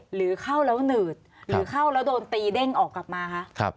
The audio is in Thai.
หรือเข้าแล้วหนืดหรือเข้าแล้วโดนตีเด้งออกกลับมาคะ